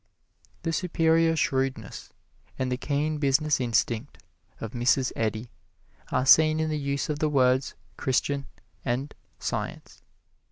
The superior shrewdness and the keen business instinct of Mrs. Eddy are seen in the use of the words "Christian" and "Science."